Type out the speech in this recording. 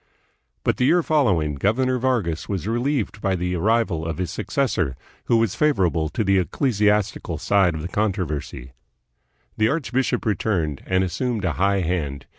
But the year following, Governor Vargas was relieved by the arrival of his successor, who was favorable to the ecclesiastical side of the controversy. The archbishop returned and assumed a high hand.